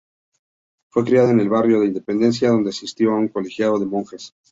Fue criada en el barrio de Independencia, donde asistió a un colegio de monjas.